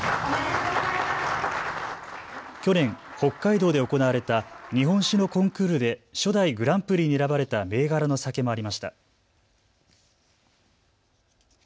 去年、北海道で行われた日本酒のコンクールで初代グランプリに選ばれた銘柄の酒もありました。